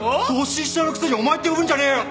年下のくせにお前って呼ぶんじゃねえよ。